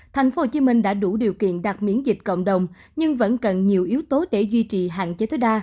tp hcm đã đủ điều kiện đặt miễn dịch cộng đồng nhưng vẫn cần nhiều yếu tố để duy trì hạn chế tối đa